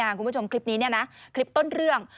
คุณผู้ชมคลิปนี้คลิปต้นเรื่อง